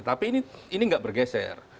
tapi ini nggak bergeser